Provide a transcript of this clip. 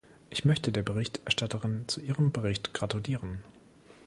Ich möchte der Berichterstatterin zu ihrem Bericht gratulieren.